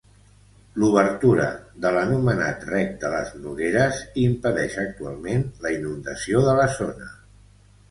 L'obertura de l'anomenat Rec de les Nogueres impedeix actualment la inundació de la zona.